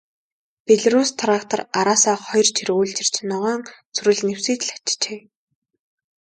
Белорусс трактор араасаа хоёр чиргүүл чирч, ногоон сүрэл нэвсийтэл ачжээ.